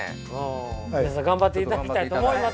皆さん頑張っていただきたいと思います。